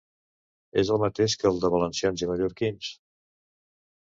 És el mateix que el de valencians i mallorquins?